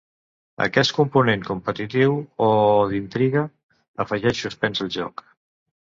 Aquest component competitiu o d'intriga afegeix suspens al joc.